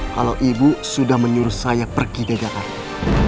kalau ibu sudah menyuruh saya pergi ke jakarta